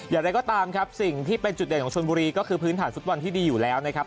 อย่างไรก็ตามครับสิ่งที่เป็นจุดเด่นของชนบุรีก็คือพื้นฐานฟุตบอลที่ดีอยู่แล้วนะครับ